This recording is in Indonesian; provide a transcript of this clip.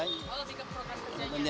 oh lebih ke protes kerjanya